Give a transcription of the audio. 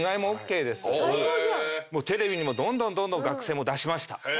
テレビにもどんどんどんどん学生も出しました。